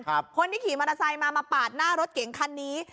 คนที่ขี่มอเตอร์ไซค์มามาปาดหน้ารถเก๋งคันนี้